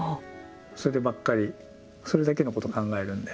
そればっかりそれだけのことを考えるんで。